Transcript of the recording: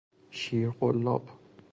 شیر قلاب